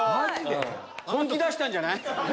本気出したんじゃない？